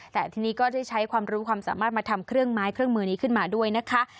แต่ทีนี้ก็ได้ใช้ความรู้ความสามารถมาทำเครื่องไม้เครื่องมือนี้ขึ้นมาด้วยนะคะ